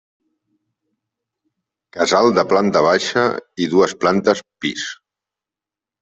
Casal de planta baixa i dues plantes pis.